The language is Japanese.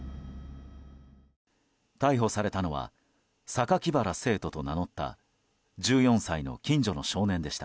逮捕されたのは酒鬼薔薇聖斗と名乗った１４歳の近所の少年でした。